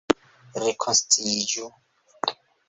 Rekonsciiĝu!